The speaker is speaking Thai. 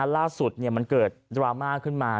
ล่าสุดมันเกิดดราม่าขึ้นมา